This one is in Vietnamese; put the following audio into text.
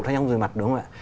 thay nhau với mặt đúng không ạ